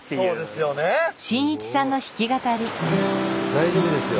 大丈夫ですよ